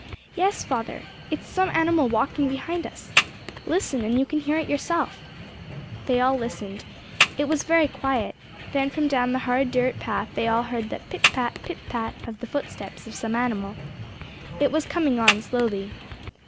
"Yes, father. It's some animal walking behind us. Listen and you can hear it your self." They all listened. It was very quiet. Then from down the hard dirt path they all heard the "pitpat, pitpat" of the footsteps of some animal. It was coming on slowly.